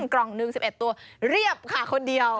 กล่องหนึ่ง๑๑ตัวเรียบค่ะคนเดียว